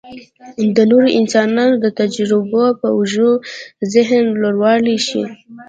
د نورو انسانانو د تجربو په اوږو ذهن لوړولی شي.